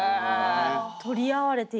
取り合われていた記憶。